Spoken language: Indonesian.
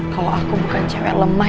kalau aku bukan cewek lemah